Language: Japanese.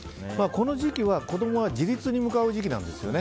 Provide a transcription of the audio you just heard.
この時期は子供は自立に向かう時期なんですね。